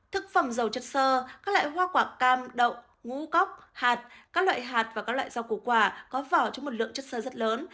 thực phẩm dầu chất sơ các loại hoa quả cam đậu ngũ cốc hạt các loại hạt và các loại rau củ quả có vỏ cho một lượng chất sơ rất lớn